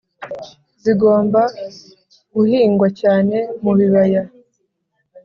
zigomba guhingwa cyane mubibaya